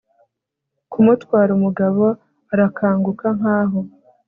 kumutwara, umugabo arakanguka nkaho